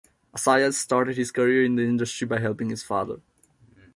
Assayas started his career in the industry by helping his father.